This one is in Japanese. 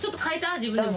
自分でも。